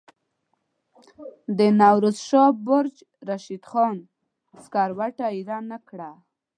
د نوروز شاه برج رشید خان سکروټه ایره نه کړه.